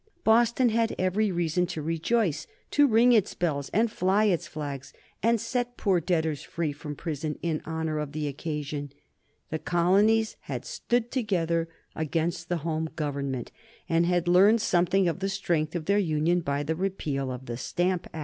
Boston had every reason to rejoice, to ring its bells and fly its flags, and set poor debtors free from prison in honor of the occasion. The colonies had stood together against the Home Government, and had learned something of the strength of their union by the repeal of the Stamp Act.